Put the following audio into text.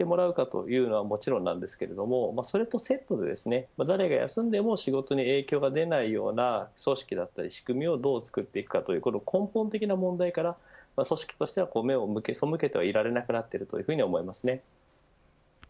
なので育休をどう取得してもらうかというのはもちろんですがそれとセットで誰が休んでも仕事に影響が出ないような組織だったり仕組みをどう作っていくかという根本的な問題から組織としては目を背けてはいられなくなってると思います。